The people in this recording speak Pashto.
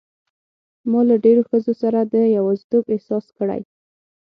ما له ډېرو ښځو سره د یوازیتوب احساس کړی.